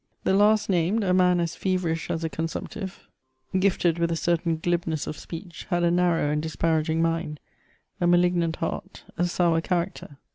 The last named, a man as feverish as a consumptive, gifted with a certain glibness of speech, had a narrow and disparaging mind, a malignant heart, a sour character.